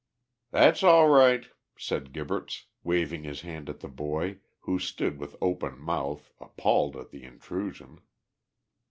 "That's all right," said Gibberts, waving his hand at the boy, who stood with open mouth, appalled at the intrusion.